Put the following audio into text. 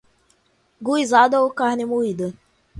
Guisado ou carne moída